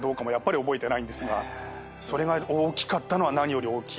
それが大きかったのは何より。